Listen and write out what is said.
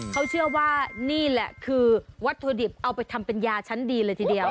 เขาเชื่อว่านี่แหละคือวัตถุดิบเอาไปทำเป็นยาชั้นดีเลยทีเดียว